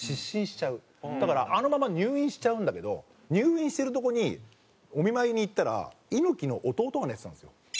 だからあのまま入院しちゃうんだけど入院してるとこにお見舞いに行ったら猪木の弟が寝てたんですよ。